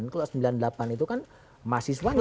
kalau sembilan puluh delapan itu kan mahasiswanya